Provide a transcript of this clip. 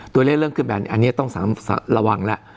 เริ่มขึ้นแบบนี้อันนี้ต้องระวังแล้ว